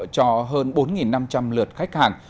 cho hơn bốn năm trăm linh lượt khách hàng